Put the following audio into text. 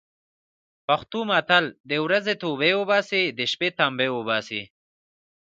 پښتو متل: د ورځې توبې اوباسي، د شپې تمبې اوباسي.